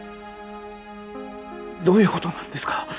どういう事なんですか？